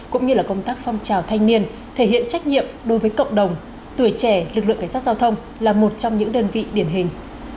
cũng như công tác phong trào thanh niên thể hiện trách nhiệm đối với cộng đồng tuổi trẻ lực lượng cảnh sát giao thông là một trong những đơn vị điển hình